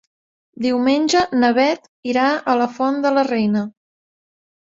Diumenge na Bet irà a la Font de la Reina.